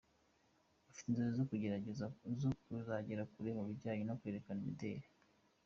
Bafite inzozi zo kuzagera kure mu bijyanye no kwerekana imideri.